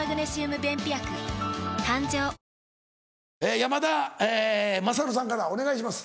山田優さんからお願いします。